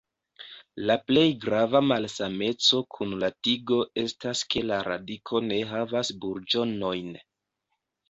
La plej grava malsameco kun la tigo estas ke la radiko ne havas burĝonojn.